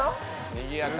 にぎやか。